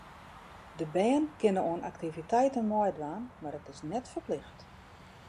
De bern kinne oan aktiviteiten meidwaan, mar it is net ferplicht.